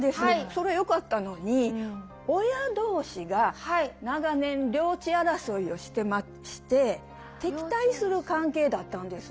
それよかったのに親同士が長年領地争いをしてまして敵対する関係だったんです。